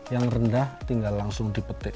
yang rendah tinggal langsung dipetik